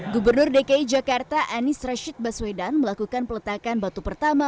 gubernur dki jakarta anies rashid baswedan melakukan peletakan batu pertama